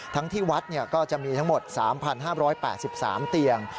ที่วัดก็จะมีทั้งหมด๓๕๘๓เตียง